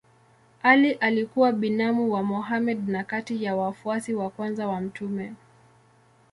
Ali alikuwa binamu wa Mohammed na kati ya wafuasi wa kwanza wa mtume.